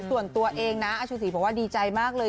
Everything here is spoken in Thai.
ส่วนตัวเองนะอาชูศรีบอกว่าดีใจมากเลย